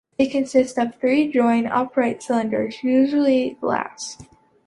It consists of three joined upright cylinders, usually glass.